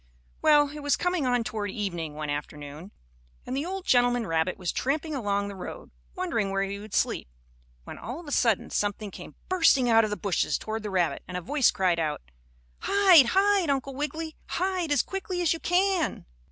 Well, it was coming on toward evening, one afternoon, and the old gentleman rabbit was tramping along the road, wondering where he would sleep, when all of a sudden something came bursting out of the bushes toward the rabbit, and a voice cried out: "Hide! Hide! Uncle Wiggily. Hide as quickly as you can!"